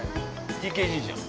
◆ＴＫＧじゃん。